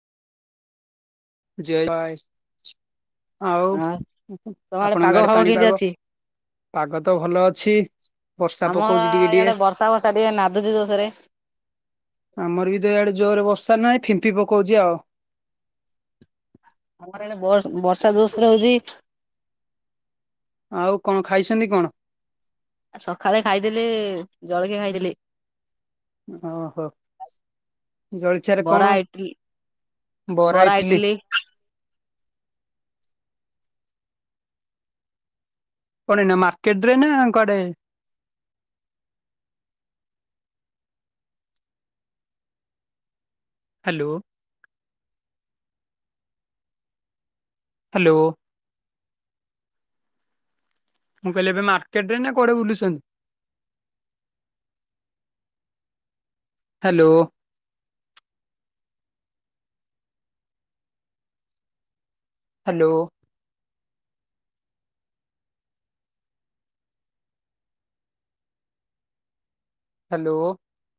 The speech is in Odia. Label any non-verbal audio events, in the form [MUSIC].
ଯେ ଭାଇ ଆଉ ହଁ ତମ ଆପଣଙ୍କ ପାଗ ଆଡେ ଫାଗ କେମିତି ପାଣିପାଗ? ଅଛି? ପାଗ ତ ଭଲ ଅଛି। ବର୍ଷା ଆମର ପକଉଛି ଟିକେ ଟିକେ ଇଆଡେ ବର୍ଷା ବର୍ଷା ଟିକେ ନାଦୁଛି ଜୋଷରେ। ଆମର ବି ତ ଇଆଡେ ଜୋରରେ ବର୍ଷା ନାହିଁ ଫିମ୍ପି ପକଉଛି ଆଉ। [INAUDIBLE] ବୟସ ବର୍ଷା ଜୋଶରେ ହଉଛି ଆଉ କଣ ଖାଇଛନ୍ତି କଣ? ସକାଳେ ଖାଇଦେଲି ଜଳଖିଆ ଖାଇଥିଲି। ଓହୋ ଜଳଖିଆ ରେ ବରା କଣ ଇଟିଲି ବରା ଇଟଲି? କଣ ଏଇନା ମାର୍କେଟ ରେ ନା କୁଆଡେ? ହ୍ୟାଲୋ। ହ୍ୟାଲୋ। ମୁଁ କହିଲି ଏବେ ମାର୍କେଟ ରେ ନା କୁଆଡେ ବୁଲୁଛନ୍ତି? ହ୍ୟାଲୋ। ହ୍ୟାଲୋ। ହ୍ୟାଲୋ।